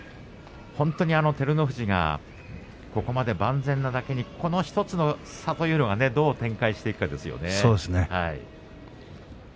照ノ富士が、ここまで万全なだけにこの１つの差というのがどう展開していくかですね。